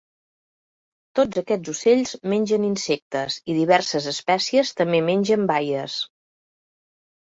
Tots aquests ocells mengen insectes i diverses espècies també mengen baies.